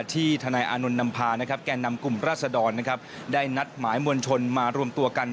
ที่ธนายอนุนัมภาแก่นำกลุ่มราชดรได้นัดหมายมวลชนมารวมตัวกัน